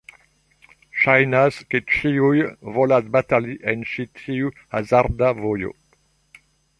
Ŝajnas ke ĉiuj volas batali en ĉi tiu hazarda vojo.